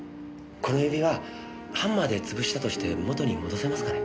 この指輪ハンマーで潰したとして元に戻せますかね？